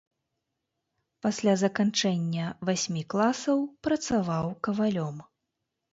Пасля заканчэння васьмі класаў працаваў кавалём.